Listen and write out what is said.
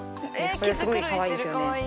これがすごいかわいいですよね。